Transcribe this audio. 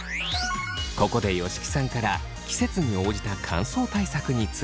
ここで吉木さんから季節に応じた乾燥対策について。